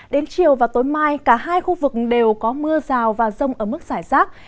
đến chiều và tối mai cả hai khu vực đều có mưa rào và rông ở mức giải rác